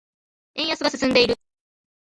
円安が進んでいる。